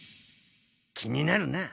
気になるな。